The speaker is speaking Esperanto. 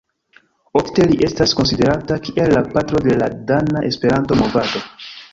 Ofte li estas konsiderata kiel "la patro de la dana Esperanto-movado".